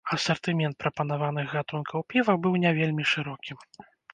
Асартымент прапанаваных гатункаў піва быў не вельмі шырокім.